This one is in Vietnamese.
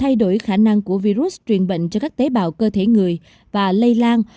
thay đổi khả năng của virus truyền bệnh cho các tế bào cơ thể người và lây lan